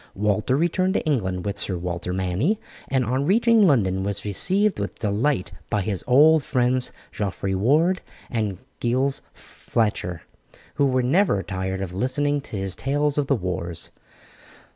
Walter returned to England with Sir Walter Manny, and on reaching London was received with delight by his old friends Geoffrey Ward and Giles Fletcher, who were never tired of listening to his tales of the wars.